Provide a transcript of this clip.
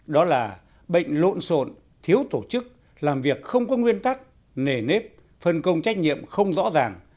đó là bệnh lộn xộn thiếu tổ chức làm việc không có nguyên tắc nề nếp phân công trách nhiệm không rõ ràng